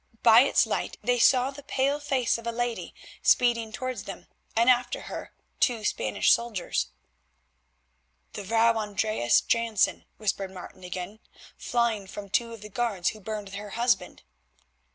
By its light they saw the pale face of a lady speeding towards them, and after her two Spanish soldiers. "The Vrouw Andreas Jansen," whispered Martin again, "flying from two of the guard who burned her husband."